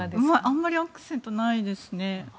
あんまりアクセントがないですね。